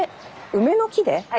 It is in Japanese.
梅の木で？